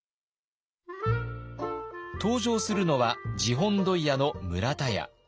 登場するのは地本問屋の村田屋。